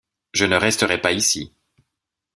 Je ne resterai pas ici!